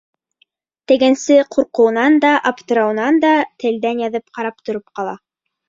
Тегенсе ҡурҡыуынан да, аптырауынан да телдән яҙып ҡарап тороп ҡала.